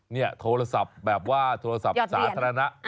นี่โทรศัพท์แบบว่าโทรศัพท์สาธารณะ